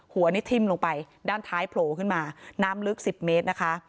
หัวนี่ทิ้มลงไปด้านท้ายโผล่ขึ้นมาน้ำลึก๑๐เมตรนะคะ